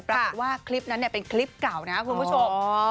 ปรากฏว่าคลิปนั้นเป็นคลิปเก่านะครับคุณผู้ชม